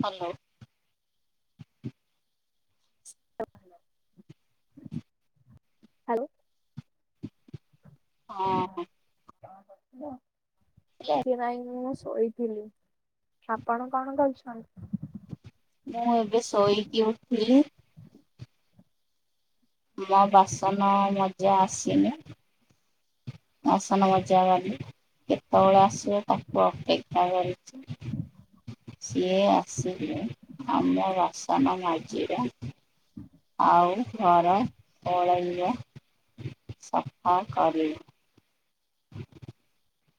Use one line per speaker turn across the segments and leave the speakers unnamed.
Hello.
Hello. ହଁ, କଣ କରୁଥିଲ? ଯେ ନାଇ ମୁଁ ଶୋଇଥିଲି। ଆପଣ କଣ କରୁଛନ୍ତି ମୁଁ ଏବେ ଶୋଇକି ଉଠିଲି।
ମୋ ବାସାନ ମଜା ଆସିନି। ବାସନ ମଜା ବାଲି କେତେବେଳେ ଆସିବ ତାକୁ ଅପେକ୍ଷା କରିଛି। ସିଏ ଆସିଲେ ଆମ ବାସନ ମଝିରେ। ଆଉ ଘର ଓଲେଇବ ସଫା କରେ।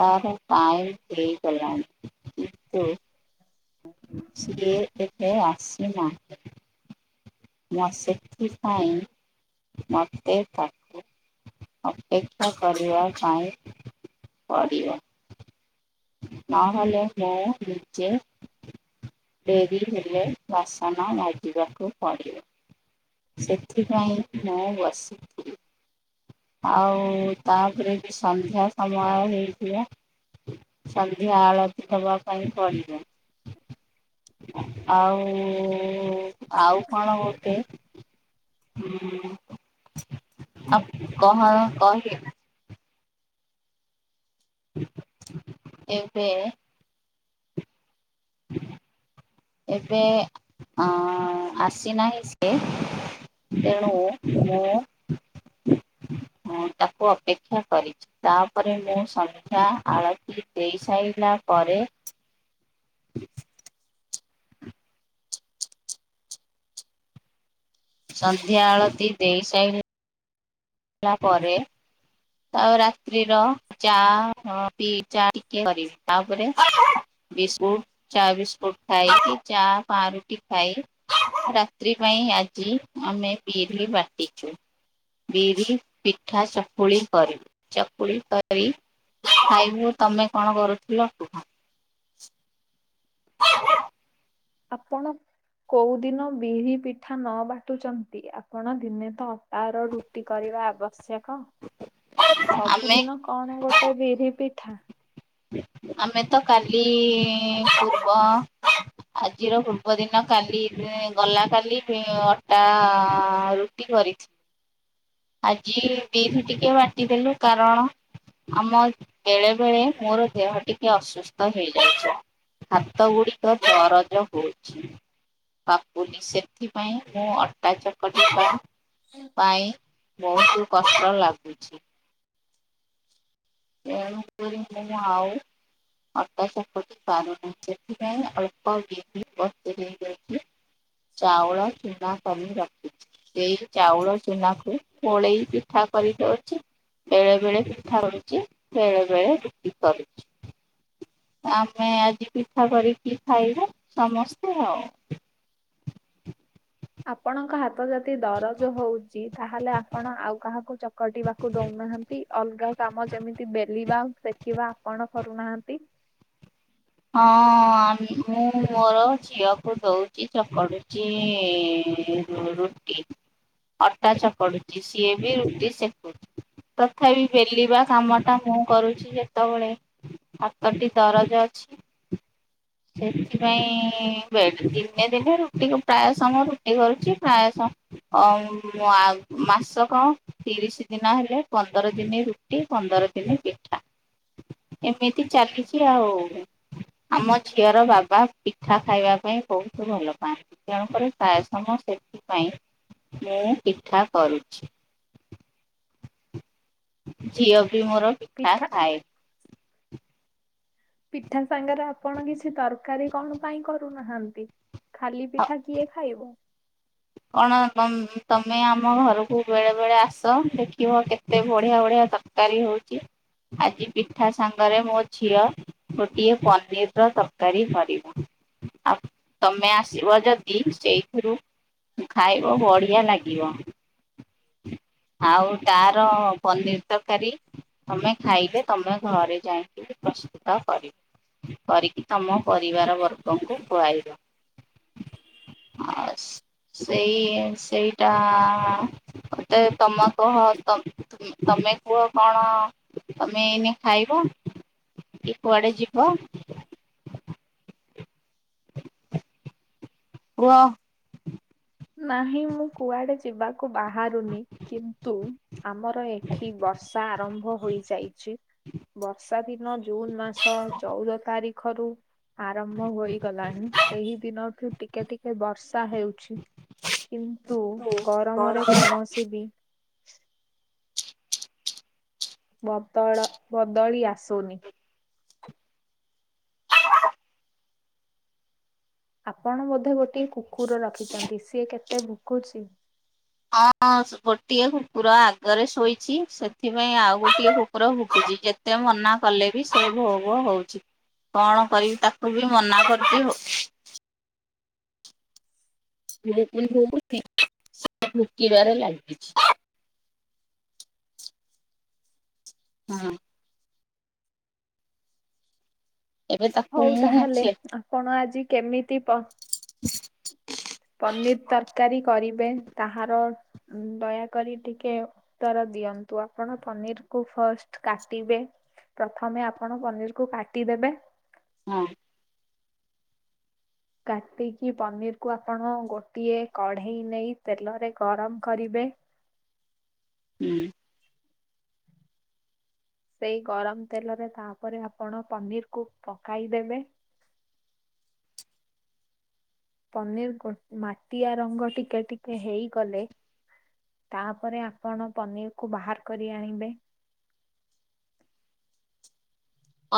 ତାର ଟାଇମି ହେଇଗଲାଣି କିନ୍ତୁ।
ହଁ।
ସିଏ ଏବେ ଆସି ନାହିଁ ମୋ ସେଥିପାଇଁ ମତେ ତାକୁ। ଅପେକ୍ଷା କରିବା ପାଇଁ ପଡିବ। ନାହେଲେ ମୁ ନିଜେ। ଡେରି ହେଲେ ବାସନ ମଜିବାକୁ ପଡିବ। ସେଥିପାଇଁ ମୁଁ ବସି। ଆଉ ତାପରେ ବି ସନ୍ଧ୍ୟା ସମୟ ହେଇଯିବା। ସନ୍ଧ୍ୟା ଆଳତି ଦବା ପାଇଁ ପଡିବ। ଆଉ ଆଉ କଣ ଗୋଟେ। ଆ କହ କହି ଏବେ।
ଆ।
ଏବେ ଆ ଆସିନାହିଁ ସିଏ। ତେଣୁ ମୁଁ। ହଁ ତାକୁ ଅପେକ୍ଷା କରିଛି। ତାପରେ ମୁଁ ସନ୍ଧ୍ୟା ଆଳତି ଦେଇ ସାରିଲା ପରେ। ସନ୍ଧ୍ୟା ଆଳତି ଦେଇ ସାଇ ଲା ପରେ। ଆଉ ରାତ୍ରି ର ଚା ହଁ ପି ଚା ଟିକେ କରିବି ତାପରେ। ବିସ୍କୁଟ ଚା ବିସ୍କୁଟ ଖାଏ କି ଚା ପା ରଟି ଖାଇ। ରାତ୍ରି ପାଇଁ ଆଜି ଆମେ ବିରି ବାଟିଚୁ ବିରି ପିଠା ଚକୁଳି କରିବୁ ଚକୁଳି କରି ଖାଇବୁ ତମେ କଣ କରୁଥିଲୁ କି।
ଆପଣ କୋଉ ଦିନ ବିରି ପିଠା ନ ବାଟୁଚନ୍ତି ଆପଣ ଦିନେ ତ ଅଟାର ରୁ ଟି କରିବା ଆବଶ୍ୟକ
ଆମେ
ସବୁଦିନ କଣ ଗୋଟେ ବିରି ପିଠା।
ଆମେ ତ କାଲି ପୂର୍ବ ଆଜିର ପୂର୍ବ ଦିନ କାଲି ଗଲା କାଲି ଅଟା ରୁଟି କରିଛି ଆଜି ବିରି ଟିକେ ବାଟି ଦେଲୁ କାରଣ ଆମ ବେଳେ ବେଳେ ମୋର ଦେହ ଟିକେ ଅସୁସ୍ଥ ହେଇଯାଇଛି। ହାତ ଗୁଡ଼ିକ ଦରଜ ହୋଉଛି। ବାପୁଲି ସେଥିପାଇଁ, ମୁଁ ଅଟା ଚକଟିବା ପାଇଁ ବହୁତ କଷ୍ଟ ଲାଗୁଛି। ଏଣୁ କରି ମୁଁ ଆଉ ଅଟା ଚକଟି ପାରୁନି ସେଥିପାଇଁ ଅଳ୍ପ ବିରି ବତୁରେଇ ଦେଇଛି। ଚାଉଳ ଚୁନା କରି ରଖୁଛି ସେ ଚାଉଳ ଚୁନା କୂ ଗୋଳେଇବି। ପିଠା କରିଦଉଛି ବେଳେ ବେଳେ ପିଠା ହଉଛି ବେଳେ ବେଳେ ରୁଟି କରୁଛି। ଆମେ ଆଜି ପିଠା କରିକି ଖାଇବୁ ସମସ୍ତେ ଆଉ।
ଆପଣଙ୍କ ହାତ ଯଦି ଦରଜ ହଉଛି ତାହେଲେ ଆପଣ ଆଉ କାହାକୁ ଚକଟିବାକୁ ଦଉନାହାନ୍ତି। ଅଲଗା କାମ ଯେମିତି ବେଲିବା, ସେକିବା ଆପଣ କରୁନାହାନ୍ତି।
ହଁ ମୁଁ ମୋର ଝିଅକୁ ଦଉଚି ଚକଡୁଚି, ଏଁ-ଏଁ-ଏଁ। ରୁଟି ଅଟା ଚକଡୁଛି ସିଏ ବି ରୁଟି ସେକୁଛି। ତଥାପି ବେଲିବା କାମ ଟା ମୁଁ କରୁଛି ଯେତବେଳେ ହାତଟି ଦରଜ ଅଛି।
[inaudible]
ସେଥିପାଇଁ ବେଡ୍ ଦନେ ଦିନେ ରୁଟିକୁ ପ୍ରାୟ ସମୟ ରୁଟି କରୁଛି ପ୍ରାୟ ସମ ରୁଟି କରିଛି। ଅଁ ମୁଁ ଆଉ ମାସକ ତିରିଶ ଦିନ ହେଲେ, ପନ୍ଦର ଦିନେ ରୁଟି, ପନ୍ଦର ଦିନେ ପିଠା ଏମିତି ଚାଲିଛି ଆଉ। ଆମ ଝିଅର ବାବା ପିଠା ଖାଇବା ପାଇଁ ବହୁତ୍ ଭଲ ପାଆନ୍ତି। ତେଣୁ କରି ପ୍ରାୟ ସମୟ ସେଥିପାଇଁ ମୁଁ ପିଠା କରୁଛି। ଝିଅ ବି ମୋର ପିଠା ଖାଏ।
ପିଠା ସାଙ୍ଗରେ ଆପଣ କିଛି ତରକାରୀ କଣ ପାଇଁ କରୁନାହାନ୍ତି? ଖାଲି
ଆଉ
ପିଠା କିଏ ଖାଇବ?
କଣ ତମ୍ ତମେ ଆମ ଘରକୁ ବେଳେ ବେଳେ ଆସ ଦେଖିବ କେତେ ବଢ଼ିଆ ବଢ଼ିଆ ତରକାରୀ ହଉଛି। ଆଜି ପିଠା ସାଙ୍ଗରେ ମୋ ଝିଅ ଗୋଟିଏ ପନିର୍ ର ତରକାରୀ କରିବ। ଆଉ ତମେ ଆସିବ ଯଦି ସେଇଥିରୁ ଖାଇବ ବଢ଼ିଆ ଲାଗିବ। ଆଉ ତାର ପନିର୍ ତରକାରୀ ତମେ ଖାଇଲେ ତମେ ଘରେ ଯାଇକି ପ୍ରସ୍ତୁତ କରିବ। କରିକି ତମ ପରିବାର ବର୍ଗଙ୍କୁ ଖୁଆଇବ। ଆଉ ସେଇ, ସେଇଟା ଗୋଟେ ତମୋ, ତୋହ, ତତ୍ [unintelligible] ତମେ କୁହ କଣ ତମେ ଏଇନେ ଖାଇବ? କି କୁଆଡ଼େ ଯିବ? କୁହ।
ନାହିଁ ମୁଁ କୁଆଡ଼େ ଯିବାକୁ ବାହାରୁନି କିନ୍ତୁ ଆମର ଏଠି ବର୍ଷା ଆରମ୍ଭ ହୋଇଯାଇଛି ବର୍ଷା ବର୍ଷା ଦିନ ଜୁନ ମାସ ଚଉଦ ତାରିଖରୁ ଆରମ୍ଭ ହୋଇଗଲାଣି ସେହି ଦିନଠୁ ଟିକେ ଟିକେ ବର୍ଷା ହେଉଛି। କିନ୍ତୁ
ମୁଁ ମୋର
ଗରମରେ କୌଣସି ବି ବଦଳ ବଦଳି ଆସୁନି। ଆପଣ ବୋଧେ ଗୋଟିଏ କୁକୁର ରଖିଛନ୍ତି ସିଏ କେତେ ଭୁକୁଛି।
ହଁ ହଁ ଗୋଟିଏ କୁକୁର ଆଗରେ ଶୋଇଛି ସେଥିପାଇଁ ଆଉ ଗୋଟିଏ କୁକୁର ଭୁକୁଛି ଯେ ଯେତେ ମନା କଲେ ବି ସେ ଭୋ ଭୋ ହଉଛି। କଣ କରିବି ତାକୁ ବି ମନା କରୁକି ହଉଛି। ଭ ଭ ଭକ [inaudible] ଭୁକି ବାରେ ଲାଗଛି। ହଁ। ଏବେ
ହଉ
ତାକୁ ମୁଁ
ତାହେଲେ
ଛେ
ଆପଣ ଆଜି କେମିତି ପ
[inaudible]
ପନିର ତରକାରୀ କରିବେ ତାହାର [inaudible] ଦୟାକରି ଟିକେ ଉତ୍ତର ଦିଅନ୍ତୁ। ଆପଣ ପନିର କୁ ଫାଷ୍ଟ କାଟିବେ ପ୍ରଥମେ ଆପଣ ପନିର କୁ କାଟିଦେବେ
ହଁ।
କାଟିକି ପନିରକୁ ଆପଣ ଗୋଟିଏ କଢ଼େଇ ନେଇ ତେଲରେ ଗରମ କରିବେ।
[inaudible]
ସେଇ ଗରମ ତେଲରେ ତାପରେ ଆପଣ ପନିର କୁ [inaudible] ପକାଇ ଦେବେ। ପନିର କୁ ମାଟିଆ ରଙ୍ଗ ଟିକେ ଟିକେ ହେଇଗଲେ ତାପରେ ଆପଣ ପନିର କୁ ବାହାର କରି ଆଣିବେ।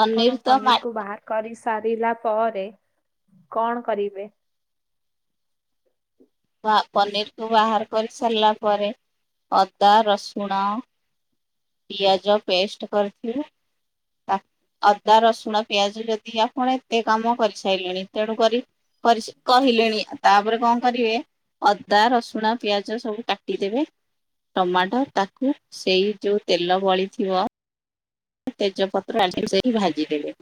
ଆପଣ
ତ ମା
ପନିର କୁ ବାହାର କରି ସାରିଲା ପରେ [inaudible] କଣ କରିବେ?
ବା ପନିରକୁୁ ବାହାର କରି ସାରିଲା ପରେ। [inaudible] ଅଦା, ରସୁଣ ପିଆଜ ପେଷ୍ଟ କରିଥିବେ [inaudible] ତାକୁ ଅଦା, ରସୁଣ, ପିଆଜ ଯଦି ଆପଣ ଏତେ କାମ କରି ସାରିଲେଣି ତେଣୁ କରି କରି କହିଲେଣି ଆଉ ତାପରେ କଣ କରିବେ? ଅଦା, ରସୁଣ, ପିଆଜ ସବୁ କାଟିଦେବେ। ଟମାଟୋ ତାକୁ ସେଇ ଯୋଉ ତେଲ ବଳିଥିବ ତେଜପତ୍ର, ନାଲଚିନି ସେଠି ଭାଜିଦେବେ।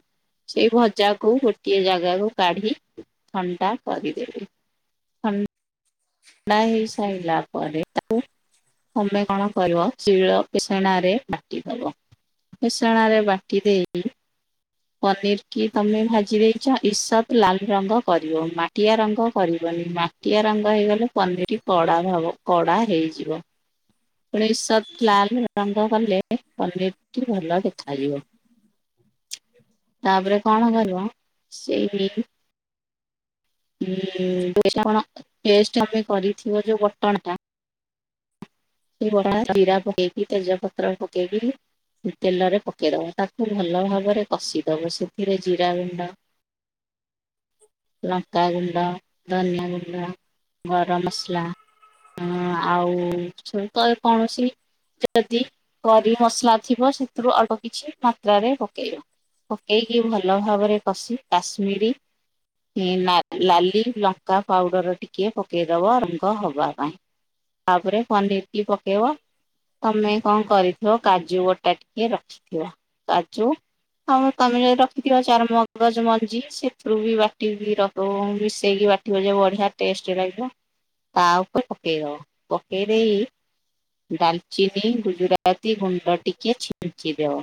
ସେଇ ଭଜା କୁ ଗୋଟିଏ ଜାଗାକୁ କାଢି [inaudible] ଥଣ୍ଡା କରିଦେବେ। ନାହି ସ ସଇିଲା ପରେ ତାକୁ ତମେ କଣ କରିବ? ଶିଳ, କି ଫେସଣା ରେ ବାଟି ଦବ। ଫେସଣା ରେ ବାଟି ଦେଇ କି ପନିର କି ତମେ ଭାଜି ଦେଇଛ। ଇସତ ଲାଲ ରଙ୍ଗ କରିବ। ମାଟିଆ ରଙ୍ଗ କରିବନି ମା ମାଟିଆ ରଙ୍ଗ ହେଇଗଲେ ପନିରଟି କଡା ହବ। କଡା ହେଇଯିବ। ଇସତ ଲାଲ ରଙ୍ଗ କଲେ [inaudible] ପନିର [inaudible] ଟି ଭଲ ଦେଖାଯିବ। ତାପରେ କଣ କରିବ? [inaudible] ସେହି ଟେଷ୍ଟ ଟା କଣ [inaudible] ଟେଷ୍ଟ ଆମେ କରିଥିବ ଯେଉଁ ବଟଣଟା ଫୁଟଣ ରେ ଜିରା ପକେଇକି। ତେଜ ପତ୍ର ପକେଇକିରି ତେଲରେ ପକେଇଦବ ତାକୁ ଭଲ ଭାବରେ କଷିଦବ ସେଥିରେ ଜୀରା ଗୁଣ୍ଡ
[inaudible]
ଲଙ୍କାଗୁଣ୍ଡ, ଧନିଆ ଗୁଣ୍ଡ, ଗରମ ମସଲା। ହଁ ଆଉ ତ କୌଣସି ଯଦି [inaudible] କରି ମସଲା ଥିବ ସେଥିରୁ ଅଳ୍ପ କିଛି ମାତ୍ରାରେ ପକେଇବ। ପକେଇକି ଭଲ ଭାବରେ କଷି କାଶ୍ମୀରୀ ନା ଲାଲି ଲଙ୍କା ପାଉଡର ଟିକେ ପକେଇ ଦବ ରଙ୍ଗ ହବା ପାଇଁ। ତାପରେ ପନିର କି ପକେଇବ। ତମେ କଣ କରିଥିବ କାଜୁ ବଟା ଟିକେ ରଖି [inaudible] ଥିବ, କାଜୁ ଆଉ ତମେ ଯଦି ରଖିଥିବ ଚାରୁ ମଗଜ ମଞ୍ଜି ସେଥିରୁ ବି ବାଟିକି ର ତ ମିଶେଇକି ବାଟିବ ଯେ ବଢିଆ ଟେଷ୍ଟ ଲାଗିବ। [inaudible] ତା ଉପରେ ପକେଇଦବ। କେରେଇ ଡାଲଚିନି, ଗୁଜୁରାତି ଗୁଣ୍ଡ ଟିକେ ଛିଞ୍ଚିଦିଅ।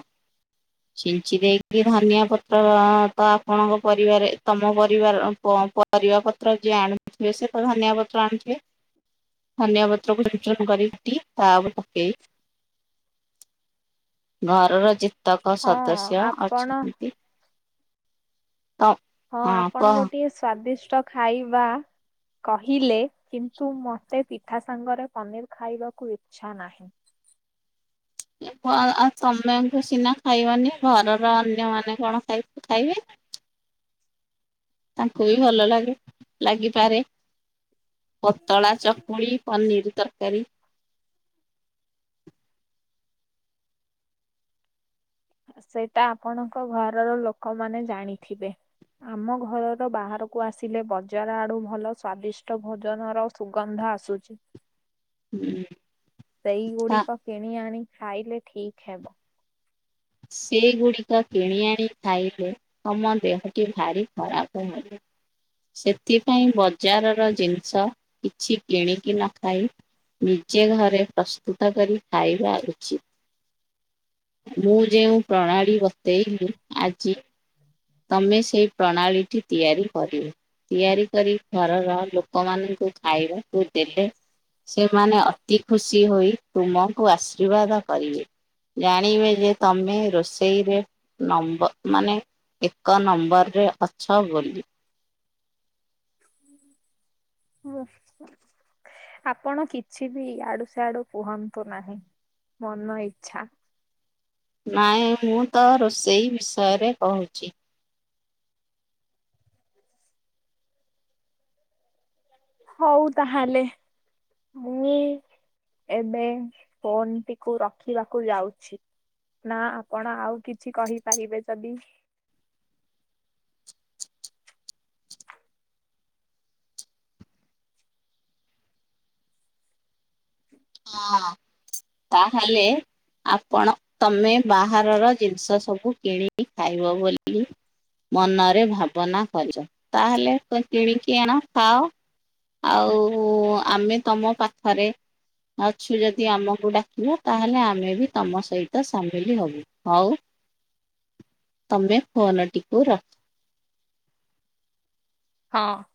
ଛିଞ୍ଚି ଦେଇକି ଧନିଆ ପତର, ତ ଆପଣଙ୍କ ପରିବାରେ ତମ ପରିବାର ର ପ ପରିବା ପତ୍ର ଯିଏ ଆଣିୁଥିବେ, ସେ ତ ଧନିଆ ପତ୍ର ଆଣିୁଥିବେ। ଧନିଆ ପତ୍ରକୁ ଚୁନ୍ ଚୁନ୍ କରି [inaudible] ଟି, [inaudible] ତା ଉପରେ ପକେଇ ଘରର ଯେତେକ
ହଁ
ସଦସ୍ୟ
ଆପଣ
ଅଛନ୍ତି। ତ
ହଁ ଆପଣ
କହ।
ଗୋଟିଏ ସ୍ଵାଦିଷ୍ଟ ଖାଇବା କହିଲେ, କିନ୍ତୁ ମୋତେ ପିଠା ସାଙ୍ଗରେ ପନିର୍ ଖାଇବାକୁ ଇଚ୍ଛା ନାହିଁ।
ଆଉ, ତମେତ ସିନା ଖାଇବନି, ଘରର ଅନ୍ୟମାନେ କଣ ଖାଇ ଖାଇବେ?
[inaudible]
ତାଙ୍କୁ ବି ଭଲ ଲାଗେ, ଲାଗିପାରେ। ପତଳା ଚକୁଳି ପନିର ତରକାରୀ।
ସେଇଟା ଆପଣଙ୍କ ଘରର ଲୋକମାନେ ଜାଣିଥିବେ। ଆମ ଘରର ବାହାରକୁ ଆସିଲେ, ବଜାର ଆଡୁ ଭଲ ସ୍ଵାଦିଷ୍ଟ ଭୋଜନର ସୁଗନ୍ଧ ଆସୁଛି।
ହୁଁ।
ସେଇ
ତା
ଗୁଡିକ କିଣି ଆଣି ଖାଇଲେ ଠିକ ହେବ।
ସେଗୁଡିକ କିଣି ଆଣି ଖାଇଲେ ତମ ଦେହଟି ଭାରି ଖରାପ ହବ। ସେଥିପାଇଁ, ବଜାରର ଜିନିଷ କିଛି କିଣିକି ନ ଖାଇ ନିଜେ ଘରେ ପ୍ରସ୍ତୁତ କରି ଖାଇବା ଉଚିତ୍, ମୁଁ ଯେଉଁ ପ୍ରଣାଳୀ ବତେଇଲି ଆଜି ତମେ ସେଇ ପ୍ରଣାଳୀଟି ତିଆରି କରିବ। ତିଆରି କରି ଘରର ଲୋକମାନଙ୍କୁ ଖାଇବାକୁ ଦେବେ। ସେମାନେ ଅତି ଖୁସି ହୋଇ ତୁମକୁ ଆଶୀର୍ବାଦ କରିବେ। ଜାଣିବେ ଯେ, ତମେ ରୋଷେଇରେ ନମ୍ବ ମାନେ ଏକ ନମ୍ବରରେ ଅଛ ବୋଲି।
[unintelligible] ଆପଣ କିଛି ବି ଇଆଡୁ ସିଆଡୁ କୁହନ୍ତୁ ନାହିଁ ମନ ଇଚ୍ଛା।
ନାଇଁ, ମୁଁ ତ ରୋଷେଇ ବିଷୟରେ କହୁଛି।
ହଉ ତାହେଲେ ମୁଁ ଏବେ ଫୋନ୍ ଟିକୁ ରଖିବାକୁ ଯାଉଛି। ନା ଆପଣ ଆଉ କିଛି କହିପାରିବେ ଯଦି
ହଁ ତାହେଲେ ଆପଣ, ତମେ ବାହାରର ଜିନିଷ ସବୁ କିଣି ଖାଇବ ବୋଲି ମନରେ ଭାବନା କରିଛ, ତାହେଲେ ତ କିଣିକି ଆଣ ଖାଅ। ଆଉ ଆମେ ତମ ପାଖରେ ଅଛୁ ଯଦି ଆମକୁ ଡାକିବ, ତାହେଲେ ଆମେ ବି ତମ ସହିତ ସାମିଲ ହବୁ, ହଉ।
[inaudible]
ତମେ ଫୋନଟିକୁ ର
ହଁ।